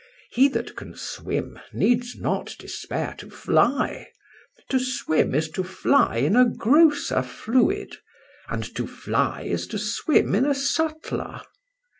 He that can swim needs not despair to fly; to swim is to fly in a grosser fluid, and to fly is to swim in a subtler.